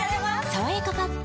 「さわやかパッド」